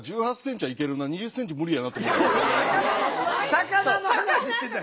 魚の話してたやん。